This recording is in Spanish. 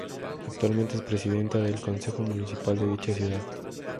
Actualmente es presidenta del concejo municipal de dicha ciudad.